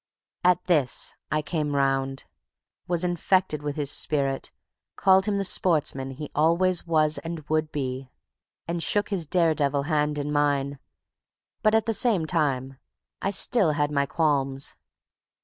At this I came round, was infected with his spirit, called him the sportsman he always was and would be, and shook his daredevil hand in mine; but, at the same time, I still had my qualms.